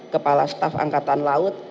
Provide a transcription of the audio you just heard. kepala staff angkatan laut